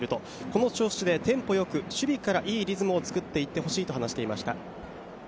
この調子でテンポよく、守備からいいリズムを作っていってほしいと話していました。